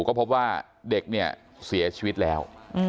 ก็พบว่าเด็กเนี่ยเสียชีวิตแล้ว